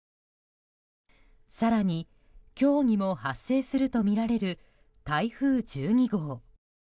更に、今日にも発生するとみられる台風１２号。